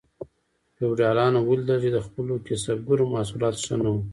فیوډالانو ولیدل چې د خپلو کسبګرو محصولات ښه نه وو.